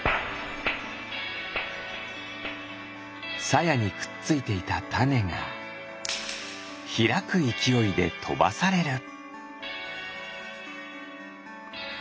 さやにくっついていたたねがひらくいきおいでとばされる。